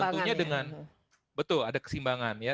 tentunya dengan betul ada kesimbangan ya